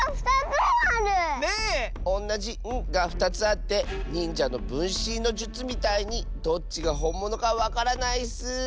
おんなじ「ん」が２つあってにんじゃのぶんしんのじゅつみたいにどっちがほんものかわからないッス！